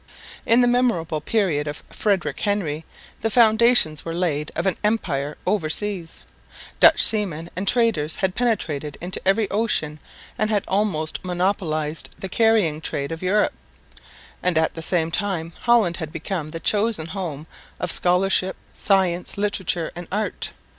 In the memorable period of Frederick Henry the foundations were laid of an empire overseas; Dutch seamen and traders had penetrated into every ocean and had almost monopolised the carrying trade of Europe; and at the same time Holland had become the chosen home of scholarship, science, literature and art.